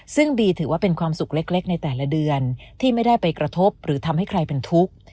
ซึ่งบีถือว่าเป็นความสุขเล็กในแต่ละเดือนที่ไม่ได้ไปกระทบหรือทำให้ใครเป็นทุกข์